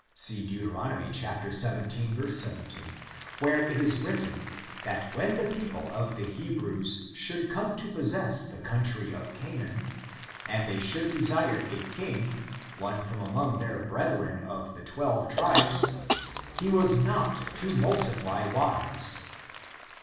See Deut. xvii, 17, where it is written, that when the people of the Hebrews should come to possess the country of Canaan, and they should desire a king, one from among their brethren of the twelve tribes, he was not to muUiply wives.